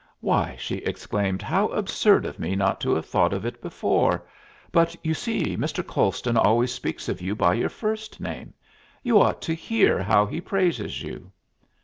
"Why," she exclaimed, "how absurd of me not to have thought of it before! But, you see, Mr. Colston always speaks of you by your first name. You ought to hear how he praises you."